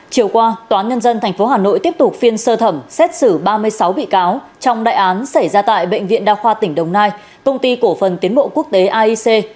chiều qua tòa án nhân dân tp hà nội tiếp tục phiên sơ thẩm xét xử ba mươi sáu bị cáo trong đại án xảy ra tại bệnh viện đa khoa tỉnh đồng nai công ty cổ phần tiến bộ quốc tế aic